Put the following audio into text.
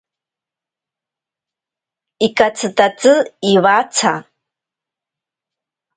Ikatsitatsi iwatsa.